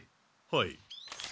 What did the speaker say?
はい。